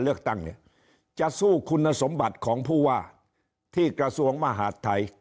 เลือกตั้งเนี่ยจะสู้คุณสมบัติของผู้ว่าที่กระทรวงมหาดไทย